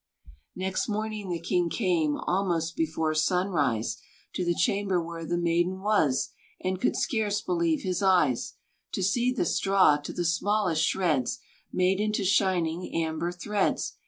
Next morning the king came, Almost before sunrise, To the chamber where the maiden was, And could scarce believe his eyes To see the straw, to the smallest shreds, Made into shining amber threads.